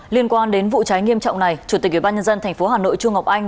liên quan đến vụ cháy nghiêm trọng này chủ tịch ubnd tp hà nội chu ngọc anh